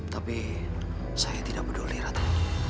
tapi saya tidak peduli ratu